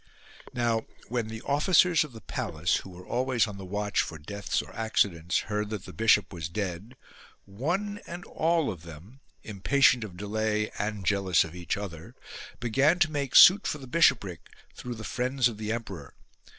Now, when the officers of the palace, who were always on the watch for deaths or accidents, heard that the bishop was dead, one and all of them, im patient of delay and jealous of each other, began to make suit for the bishopric through the friends of the emperor.